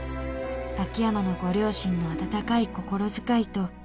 「秋山のご両親の温かい心遣いと」